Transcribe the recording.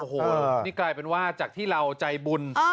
โอ้โหนี่กลายเป็นว่าจากที่เราใจบุญ